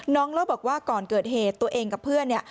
น้องเล่าบอกว่าก่อนเกิดเหตุตัวเองกับเพื่อน